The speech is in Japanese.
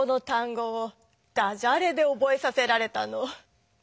語をダジャレでおぼえさせられたの。